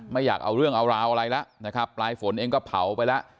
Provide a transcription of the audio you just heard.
ไม่อยากเอาเรื่องเอาราวอะไรแล้วนะครับปลายฝนเองก็เผาไปแล้ว